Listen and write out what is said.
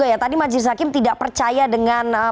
tapi sekarang dia mengatakan bahwa dia tidak percaya dengan peristiwa